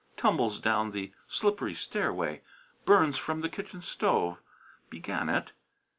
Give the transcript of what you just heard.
Tumbles down the slippery stairway, burns from the kitchen stove, began it.